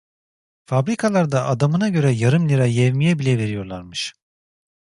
Fabrikalarda adamına göre yarım lira yevmiye bile veriyorlarmış.